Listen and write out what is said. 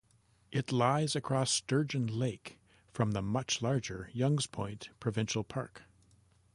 It lies across Sturgeon Lake from the much larger Young's Point Provincial Park.